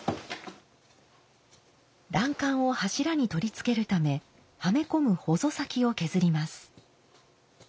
欄干を柱に取り付けるためはめ込む「ほぞ先」を削ります。